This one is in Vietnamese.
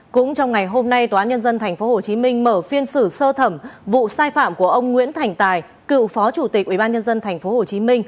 cũng trong ngày hôm nay tnthhm mở phiên xử sơ thẩm vụ sai phạm của ông nguyễn thành tài cựu phó chủ tịch ubnd tp hcm